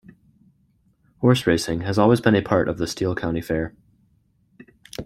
Horse racing has always been a part of the Steele County Fair.